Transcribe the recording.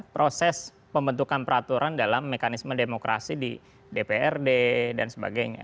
proses pembentukan peraturan dalam mekanisme demokrasi di dprd dan sebagainya